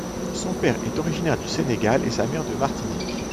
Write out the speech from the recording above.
Son père est originaire du Sénégal et sa mère de Martinique.